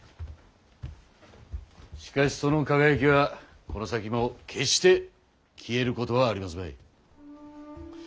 しかしその輝きはこの先も決して消えることはありますまい。